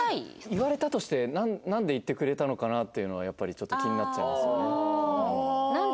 言われたとしてなんで言ってくれたのかなっていうのはやっぱりちょっと気になっちゃいますよね。